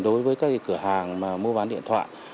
đối với các cái cửa hàng mà mua bán điện thoại